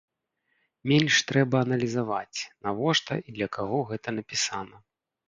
Менш трэба аналізаваць, навошта і для каго гэта напісана.